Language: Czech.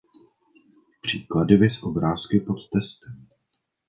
Příklady viz obrázky pod testem.